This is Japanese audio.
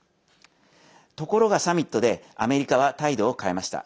ところがサミットでアメリカは態度を変えました。